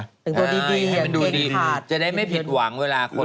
แต่งตัวดีดีอย่างเทศภาษณ์ให้มันดูดีจะได้ไม่ผิดหวังเวลาคนเข้าเย็นนะ